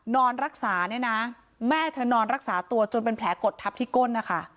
นอนรักษาแม่เธอนอนรักษาตัวจนเป็นแผลกดทับที่ก้น